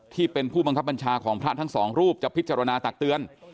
ที่เป็นผู้บังคับบัญชาของพระทั้งสองรูปจะพิจารณาตักเตือน